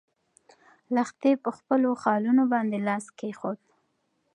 لښتې په خپلو خالونو باندې لاس کېښود.